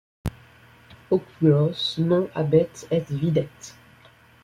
Oculos non habet et videt